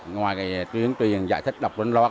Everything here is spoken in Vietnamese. ngoài chuyển truyền giải thích đọc vấn loại